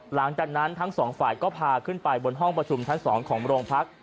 หลังจากนั้นทั้งสองฝ่ายก็พาขึ้นไปบนห้องประชุมชั้น๒ของโรงพัก